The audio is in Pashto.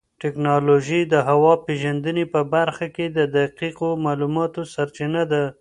ټیکنالوژي د هوا پېژندنې په برخه کې د دقیقو معلوماتو سرچینه ده.